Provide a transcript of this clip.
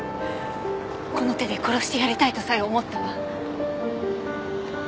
この手で殺してやりたいとさえ思ったわ。